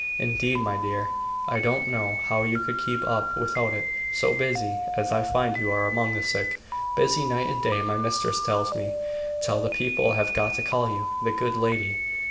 "Indeed, my dear, I don't know how you could keep up without it, so busy as I find you are among the sick; busy night and day, my mistress tells me, till the people have got to call you `the good lady.'